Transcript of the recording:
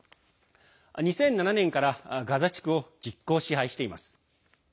２００７年からガザ地区を実効支配しています。